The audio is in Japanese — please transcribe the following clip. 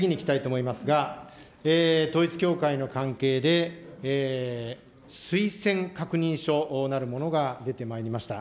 次にいきたいと思いますが、統一教会の関係で推薦確認書なるものが出てまいりました。